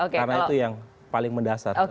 karena itu yang paling mendasar